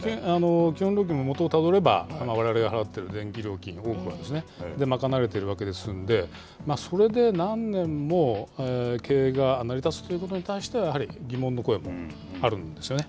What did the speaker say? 基本料金のもとをたどれば、われわれが払ってる電気料金の多くはですね、賄われているわけですので、それで何年も経営が成り立つということに対しては、やはり、疑問の声もあるんですよね。